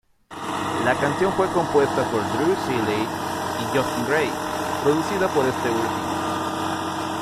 La canción fue compuesta por Drew Seeley y Justin Gray, producida por este último.